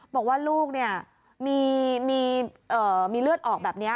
บอกว่าลูกมีเลือดออกแบบนี้